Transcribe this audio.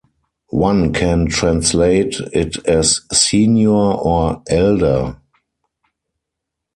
One can translate it as "senior" or "elder".